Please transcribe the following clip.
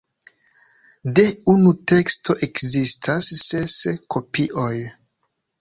De unu teksto ekzistas ses kopioj.